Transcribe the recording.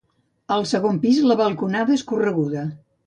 Al segon pis la balconada és correguda.